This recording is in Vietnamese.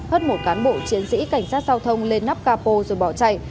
hất một cán bộ chiến sĩ cảnh sát giao thông lên nắp capo rồi bỏ chạy